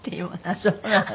あっそうなの。